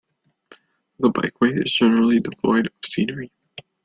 The bikeway is generally devoid of scenery.